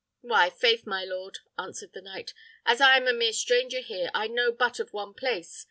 "Why, faith, my lord!" answered the knight, "as I am a mere stranger here, I know but of one place.